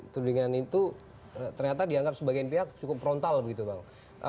tudingan itu ternyata dianggap sebagian pihak cukup frontal begitu bang